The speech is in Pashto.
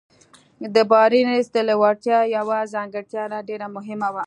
د بارنس د لېوالتیا يوه ځانګړتيا ډېره مهمه وه.